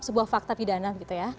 sebuah fakta pidana begitu ya